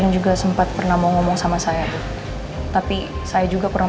ya ada yang nyang assuming